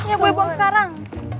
ya gue buang sekarang